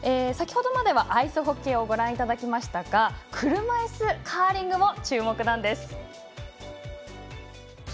先ほどまではアイスホッケーをご覧いただきましたが車いすカーリングも注目なんです。